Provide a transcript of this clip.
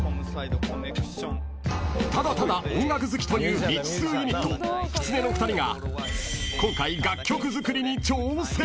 ［ただただ音楽好きという未知数ユニットきつねの２人が今回楽曲作りに挑戦］